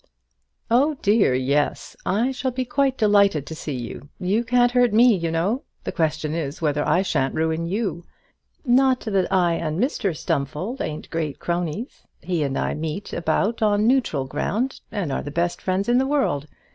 "Oh, dear, yes shall be quite delighted to see you. You can't hurt me, you know. The question is, whether I shan't ruin you. Not that I and Mr Stumfold ain't great cronies. He and I meet about on neutral ground, and are the best friends in the world.